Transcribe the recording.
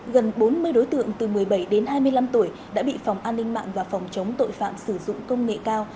gần bốn mươi đối tượng từ một mươi bảy đến hai mươi năm tuổi đã bị phòng an ninh mạng và phòng chống tội phạm sử dụng công nghệ cao